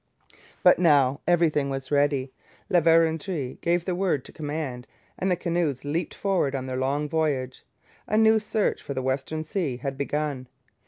But now everything was ready. La Vérendrye gave the word of command, and the canoes leaped forward on their long voyage. A new search for the Western Sea had begun.